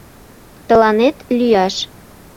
— Тыланет лӱяш!